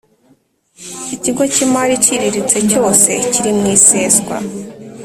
Ikigo cy imari iciriritse cyose kiri mu iseswa